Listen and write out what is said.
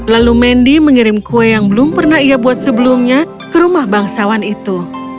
lalu mendy mengirim kue yang belum pernah ia buat sebelumnya ke rumah bangsawan itu